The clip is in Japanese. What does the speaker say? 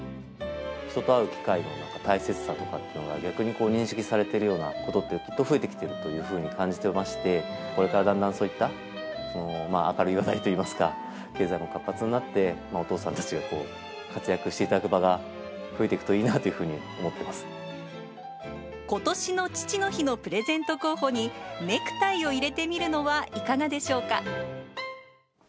人と会う機会の大切さとかっていうのは、逆に認識されてるようなことって、結構増えてきているというふうに感じてまして、これからだんだんそういった明るい話題といいますか、経済も活発になって、お父さんたちが活躍していただく場が増えていくといいなというふことしの父の日のプレゼント候補に、ネクタイを入れてみるのはいかがでしょうか。